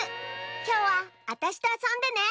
きょうはあたしとあそんでね！